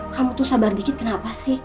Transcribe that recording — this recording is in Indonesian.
kamu tuh sabar dikit kenapa sih